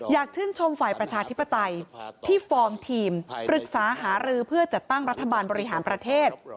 ชื่นชมฝ่ายประชาธิปไตยที่ฟอร์มทีมปรึกษาหารือเพื่อจัดตั้งรัฐบาลบริหารประเทศ